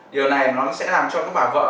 điều này nó sẽ làm cho các bà vợ